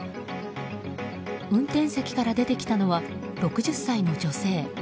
運転席から出てきたのは６０歳の女性。